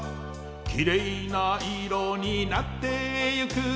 「きれいな色になってゆく」